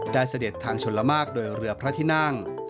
เสด็จทางชนละมากโดยเรือพระที่นั่ง